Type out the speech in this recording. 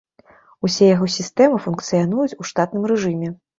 Усе яго сістэмы функцыянуюць у штатным рэжыме.